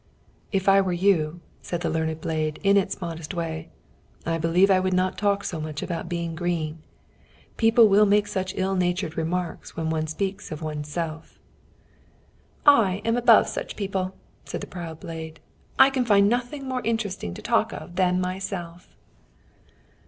"If I were you," said the learned blade, in its modest way, "I believe I would not talk so much about being green. People will make such ill natured remarks when one speaks often of one's self." "I am above such people," said the proud blade "I can find nothing more interesting to talk of than myself."